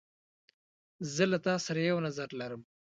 زه له تا سره یو نظر لرم.